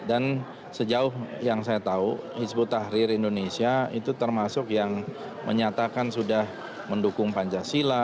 sejauh yang saya tahu hizbut tahrir indonesia itu termasuk yang menyatakan sudah mendukung pancasila